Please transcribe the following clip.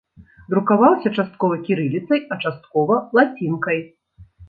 Друкаваўся часткова кірыліцай, а часткова лацінкай.